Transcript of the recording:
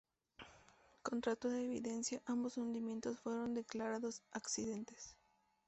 Contra toda evidencia, ambos hundimientos fueron declarados "accidentes".